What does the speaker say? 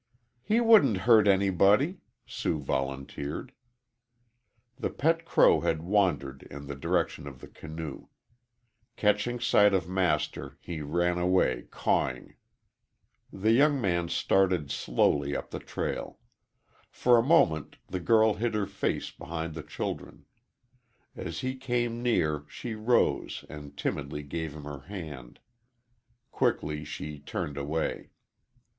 "He wouldn't hurt anybody," Sue volunteered. The pet crow had wandered in the direction of the canoe. Catching sight of Master, he ran away cawing. The young man started slowly up the trail. For a moment the girl hid her face behind the children. As he came near she rose and timidly gave him her hand. Quickly she turned away.